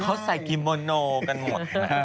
เขาใส่กิโมโนกันหมด